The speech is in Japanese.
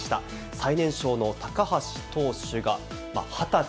最年少の高橋投手が２０歳、